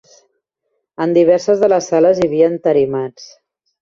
En diverses de les sales hi havia entarimats